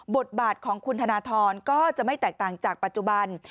บทบาทของคุณธนทรก็จะไม่แตกต่างจากปัจจุบัน